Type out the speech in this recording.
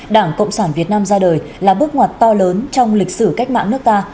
đảng cộng sản việt nam ra đời là bước ngoặt to lớn trong lịch sử cách mạng nước ta